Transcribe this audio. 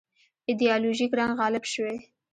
ایدیالوژیک رنګ غالب شوی.